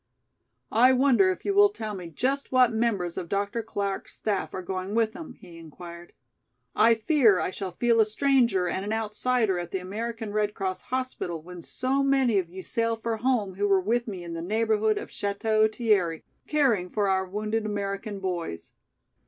"I wonder if you will tell me just what members of Dr. Clark's staff are going with him?" he inquired. "I fear I shall feel a stranger and an outsider at the American Red Cross hospital when so many of you sail for home who were with me in the neighborhood of Château Thierry, caring for our wounded American boys.